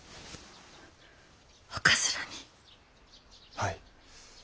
はい。